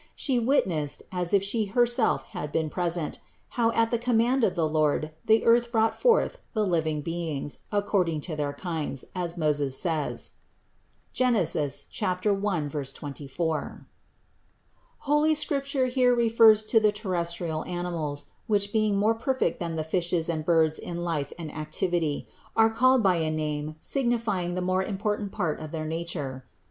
She witnessed, as if She Herself had been present, how at the command of the Lord the earth brought forth the living beings according to their kinds, as Moses says (Gen. 1, 24). Holy Scripture here refers to the terrestrial animals, which being more perfect than the fishes and birds in life and activity, are called by a name signifying the more important part of their nature.